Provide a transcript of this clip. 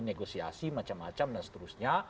negosiasi macam macam dan seterusnya